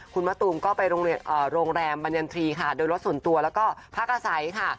คุณมะตูมก็ไปโรงแรมบรรยันทรีย์ค่ะโดยรถส่วนตัวแล้วก็พักอาศัยค่ะ